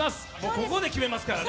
ここで決めますからね。